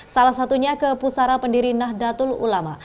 salah satunya ke pusara pendiri nahdlatul ulama